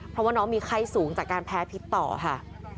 เพราะว่าน้องมีไข้สูงจากการแพ้พิษต่อค่ะ